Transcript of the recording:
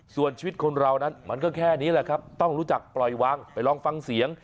ส่วนชีวิตคนเรานั้นมันก็แค่นี้แหละครับต้องรู้จักปล่อยวางไปลองฟังเสียง